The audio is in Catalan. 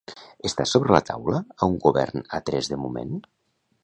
Està sobre la taula a un govern a tres de moment?